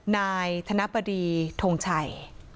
นายธนปดีทงชัย